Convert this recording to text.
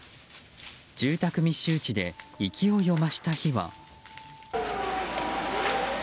住宅密集地で勢いを増した火は。